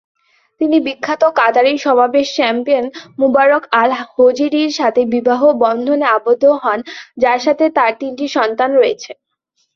তিনি বিখ্যাত কাতারি সমাবেশ চ্যাম্পিয়ন, মুবারক আল-হজিরির সাথে বিবাহ বন্ধনে আবদ্ধ হন, যার সাথে তার তিনটি সন্তান রয়েছে।